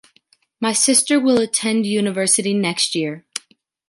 My sister will attend university next year.